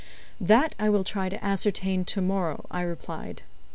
"That I will try to ascertain to morrow," I replied.